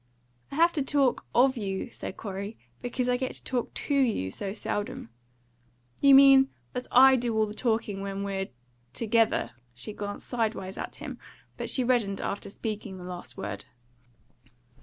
"I have to talk OF you," said Corey, "because I get to talk TO you so seldom." "You mean that I do all the talking when we're together?" She glanced sidewise at him; but she reddened after speaking the last word.